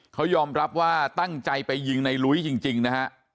เขายอมรับว่าตั้งใจไปยิงในลุ้ยจริงนะฮะ